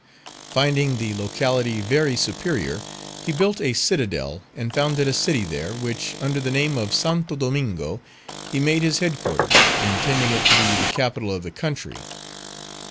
Finding the locality very superior, he built a citadel and founded a city there, which, under the name of Santo Domingo, he made his headquarters, intending it to be the capital of the country.